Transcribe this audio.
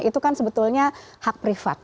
itu kan sebetulnya hak privat